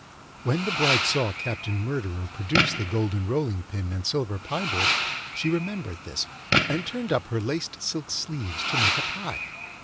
When the bride saw Captain Murderer produce the golden rolling pin and silver pie board, she remembered this, and turned up her laced silk sleeves to make a pie.